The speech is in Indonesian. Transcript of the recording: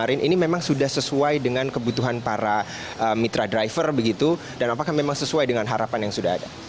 ini memang sudah sesuai dengan kebutuhan para mitra driver begitu dan apakah memang sesuai dengan harapan yang sudah ada